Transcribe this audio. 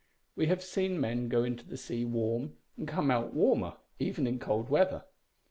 We have seen men go into the sea warm and come out warmer, even in cold weather.